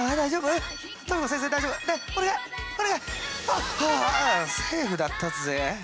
あセーフだったぜ！